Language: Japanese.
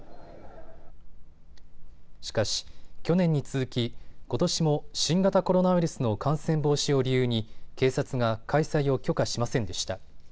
しかし去年に続きことしも新型コロナウイルスの感染防止を理由に警察が開催を許可しませんでした。